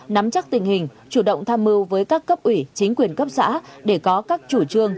nắm chắc tình hình chủ động tham mưu với các cấp ủy chính quyền cấp xã để có các chủ trương